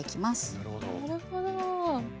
なるほど。